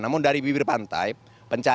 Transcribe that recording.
namun dari bibir pantai pencarian tim darat